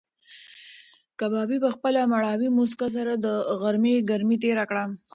کبابي په خپله مړاوې موسکا سره د غرمې ګرمي تېره کړه.